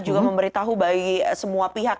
juga memberi tahu bagi semua pihak